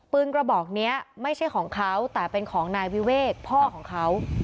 กระบอกนี้ไม่ใช่ของเขาแต่เป็นของนายวิเวกพ่อของเขา